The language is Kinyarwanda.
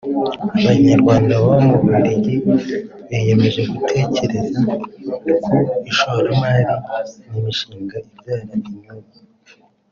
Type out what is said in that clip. Abanyarwanda baba mu Bubiligi biyemeje gutekereza ku ishoramari n’imishinga ibyara inyungu